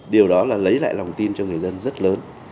điều đó là lấy lại lòng tin cho người dân rất lớn